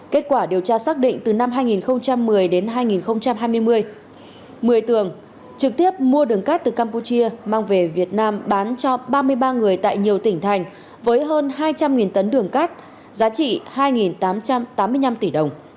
kết quả điều tra xác định từ năm hai nghìn một mươi đến hai nghìn hai mươi mười tường trực tiếp mua đường cát từ campuchia mang về việt nam bán cho ba mươi ba người tại nhiều tỉnh thành với hơn hai trăm linh tấn đường cát giá trị hai tám trăm tám mươi năm tỷ đồng